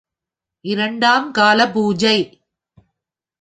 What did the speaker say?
இரண்டாம் கால பூஜை.